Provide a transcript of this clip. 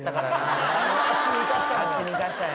あっちに行かしたのよ。